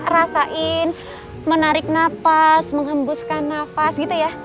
rasain menarik nafas menghembuskan nafas gitu ya